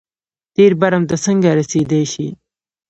تېر برم ته څنګه رسېدای شي.